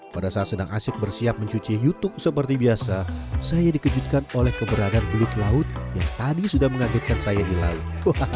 pada saat sedang asyik bersiap mencuci youtube seperti biasa saya dikejutkan oleh keberadaan belut laut yang tadi sudah mengagetkan saya di laut